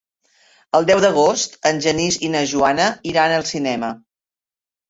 El deu d'agost en Genís i na Joana iran al cinema.